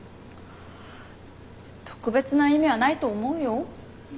特別な意味はないと思うよ。